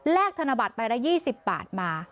แลกธนบัตรไปละ๒๐บาทมา